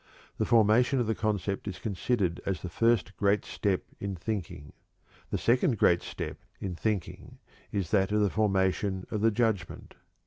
The formation of the concept is considered as the first great step in thinking. The second great step in thinking is that of the formation of the "judgment."